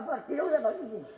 apa berarti lu gak mau bikin